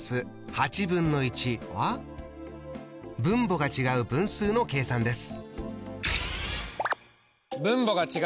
分母が違う分数の計算です。